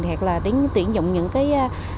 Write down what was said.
hoặc là tuyển dụng những cái